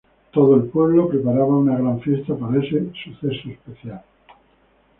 Todo el pueblo preparaba una gran fiesta para ese suceso especial.